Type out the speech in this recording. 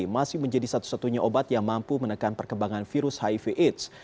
masih menjadi satu satunya obat yang mampu menekan perkembangan virus hiv aids